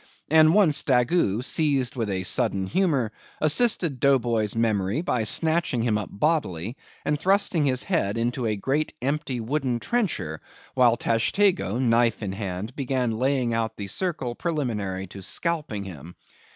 And once Daggoo, seized with a sudden humor, assisted Dough Boy's memory by snatching him up bodily, and thrusting his head into a great empty wooden trencher, while Tashtego, knife in hand, began laying out the circle preliminary to scalping him.